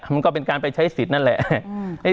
มันก็เป็นการไปใช้สิทธิ์นั่นแหละ